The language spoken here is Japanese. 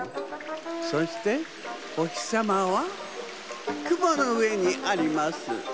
そしておひさまはくものうえにあります。